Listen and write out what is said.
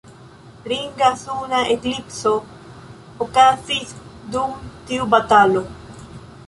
Ringa suna eklipso okazis dum tiu batalo.